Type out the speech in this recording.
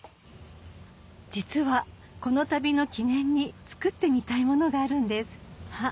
実はこの旅の記念に作ってみたいものがあるんですあっ